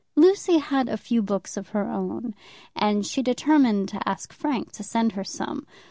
Lucy had a few books of her own, and she determined to ask Frank to send her some.